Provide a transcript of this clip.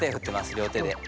両手で。